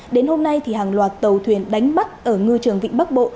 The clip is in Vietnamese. đến hôm nay hàng loạt tàu thuyền đánh bắt ở ngư trường vịnh bắc bộ